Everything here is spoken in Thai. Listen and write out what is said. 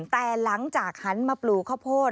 แต่หลังจากหันมาปลูกข้าวโพด